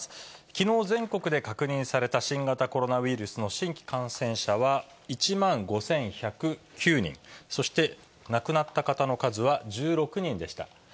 きのう、全国で確認された新型コロナウイルスの新規感染者は１万５１０９人、そして亡くなった方の数は１６人でした。